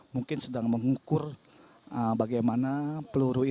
mungkin sedang mengukur bagaimana peluru ini